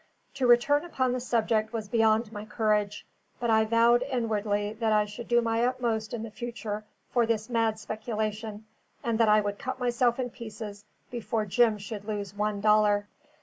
To return upon the subject was beyond my courage; but I vowed inwardly that I should do my utmost in the future for this mad speculation, and that I would cut myself in pieces before Jim should lose one dollar.